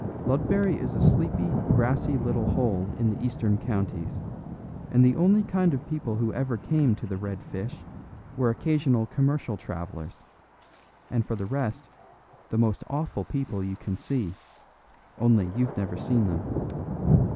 "Ludbury is a sleepy, grassy little hole in the Eastern Counties, and the only kind of people who ever came to the 'Red Fish' were occasional commercial travellers, and for the rest, the most awful people you can see, only you've never seen them.